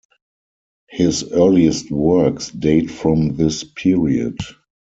His earliest works date from this period.